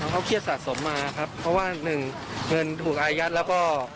เขาเครียดสะสมมาครับเพราะว่าหนึ่งเงินถูกอายัดแล้วก็